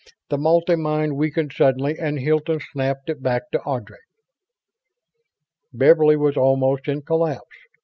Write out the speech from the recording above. The multi mind weakened suddenly and Hilton snapped it back to Ardry. Beverly was almost in collapse.